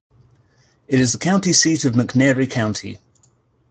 It is the county seat of McNairy County.